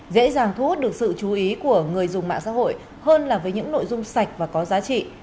dễ dàng thu hút được sự chú ý của người dùng mạng xã hội hơn là với những nội dung sạch và có giá trị